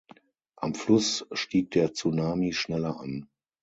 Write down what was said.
Am Fluss stieg der Tsunami schneller an.